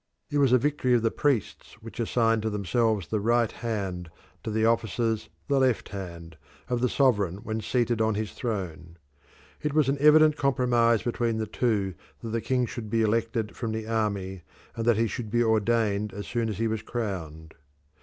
It was a victory of the priests which assigned to themselves the right hand, to the officers the left hand, of the sovereign when seated on his throne. It was an evident compromise between the two that the king should be elected from the army, and that he should be ordained as soon as he was crowned.